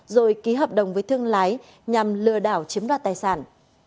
rồi ký hợp đồng với thương lái nhằm lừa đảo chiếm đoạt tài sản